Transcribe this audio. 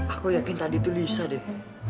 aku yakin tadi itu lisa deh